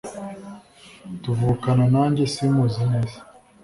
Tuvukana nanjye simuzi neza